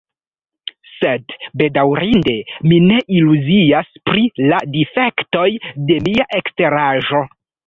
Sed bedaŭrinde mi ne iluzias pri la difektoj de mia eksteraĵo.